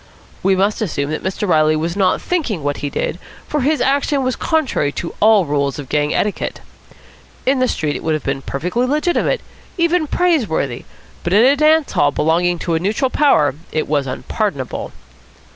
We must assume that Mr. Reilly was not thinking what he did, for his action was contrary to all rules of gang etiquette. In the street it would have been perfectly legitimate, even praiseworthy, but in a dance hall belonging to a neutral power it was unpardonable.